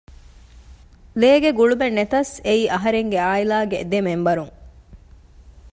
ލޭގެ ގުޅުމެއްނެތަސް އެއީ އަހަރެންގެ ޢާއިލާގެ ދެ މެމްބަރުން